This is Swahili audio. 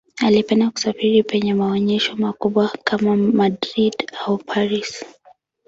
Alipenda kusafiri penye maonyesho makubwa kama Madrid au Paris.